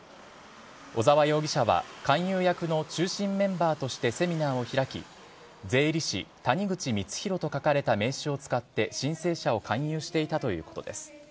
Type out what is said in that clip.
小沢容疑者は勧誘役の中心メンバーとしてセミナーを開き、税理士、谷口光弘と書かれた名刺を使って、申請者を勧誘していたということです。